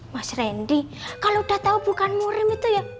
mas randy kalau udah tahu bukan murim itu ya